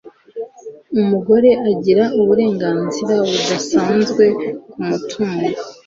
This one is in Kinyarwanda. umugore agira uburenganzira budasanzwe k'umutungo